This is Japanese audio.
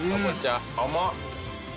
甘っ。